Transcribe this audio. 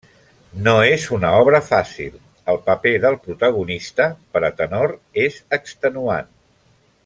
No és una obra fàcil: el paper del protagonista, per a tenor, és extenuant.